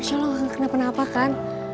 michelle lo gak kena penapa kan